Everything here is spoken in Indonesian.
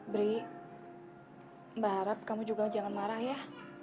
beri mbak harap kamu juga jangan marah ya